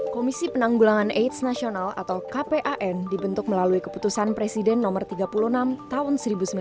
komisi penanggulangan aids nasional atau kpan dibentuk melalui keputusan presiden nomor tiga puluh enam tahun seribu sembilan ratus sembilan puluh